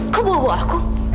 kok bawa bawa aku